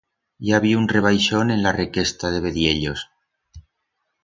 I ha habiu un rebaixón en la requesta de vediellos.